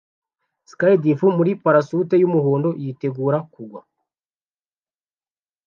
Skydiver muri parasute yumuhondo yitegura kugwa